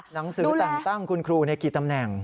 หนังสือแต่งตั้งคุณครูกี่ตำแหน่ง